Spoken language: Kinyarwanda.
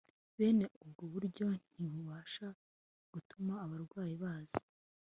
Bene ubwo buryo ntibubasha gutuma abarwayi baza